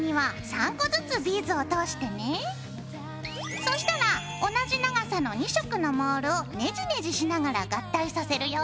そしたら同じ長さの２色のモールをねじねじしながら合体させるよ。